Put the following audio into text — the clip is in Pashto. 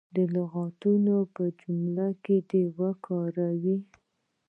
لغتونه په جملو کې دې وکاروي.